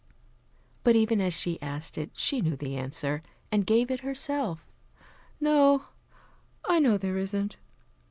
But even as she asked it, she knew the answer, and gave it herself. "No, I know there isn't.